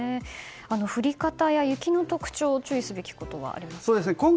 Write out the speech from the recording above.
降り方や雪の特徴注意すべきところはありますか。